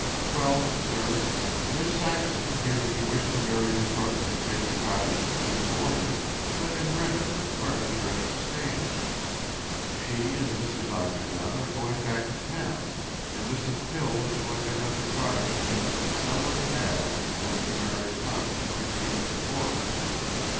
Well, sir, Miss Saxon hearing he wished to marry the cook and take the cottage and keep boarders, let him rent it with furniture as it stands. She and Mrs. Octagon are going back to town, and Mrs. Pill is going to have the cottage cleaned from cellar to attic before she marries Thomas and receives the boarder."